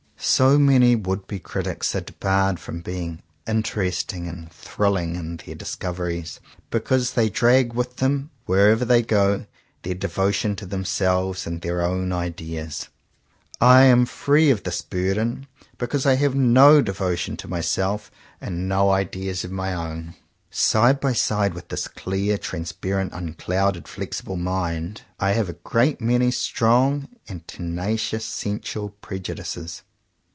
So many would be critics are debarred from being interesting and thrilling in their discoveries, because they drag with them, wherever they go, their devotion to them selves and their own ideas. I am free from this burden, because I have no de votion to myself and no ideas of my own. Side by side with this clear, transparent, unclouded, flexible mind, I have a great many strong and tenacious sensual pre judices.